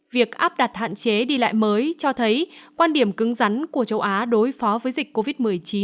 việc áp đặt hạn chế đi lại mới cho thấy quan điểm cứng rắn của châu á đối phó với dịch covid một mươi chín